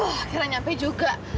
akhirnya nyampe juga